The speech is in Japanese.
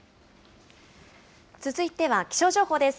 続いては気象情報です。